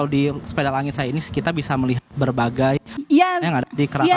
di sepeda langit saya ini kita bisa melihat berbagai yang ada di keraton